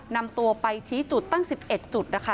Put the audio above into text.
นำตัวไปชี้จุดตั้ง๑๑จุดนะคะ